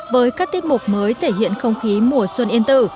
với các tiết mục mới thể hiện không khí mùa xuân yên tử